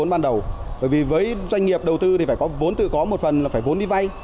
ban đầu bởi vì với doanh nghiệp đầu tư thì phải có vốn tự có một phần là phải vốn đi vay